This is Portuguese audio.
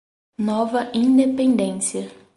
Nova Independência